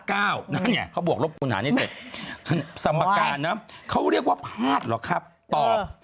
นั่นไงเขาบวกลบคุณหารให้เสร็จสมการนะเขาเรียกว่าพลาดเหรอครับตอบ